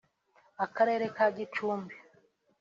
Akarere ka Gicumbi